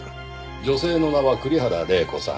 女性の名は栗原玲子さん。